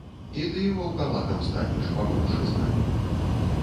І ты ваўкалакам станеш, пабыўшы з намі.